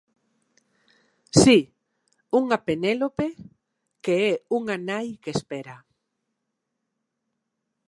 Si, unha Penélope que é unha nai que espera.